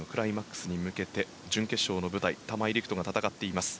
飛込競技のクライマックスに向けて準決勝の舞台で玉井陸斗が戦っています。